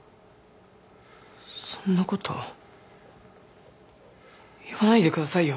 そんなこと言わないでくださいよ。